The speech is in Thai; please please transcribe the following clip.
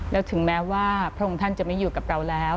แล้วถึงแม้ว่าพระองค์ท่านจะไม่อยู่กับเราแล้ว